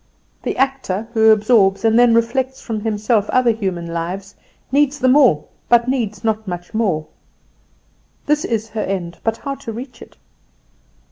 The actor, who absorbs and then reflects from himself other human lives, needs them all, but needs not much more. This is her end; but how to reach it?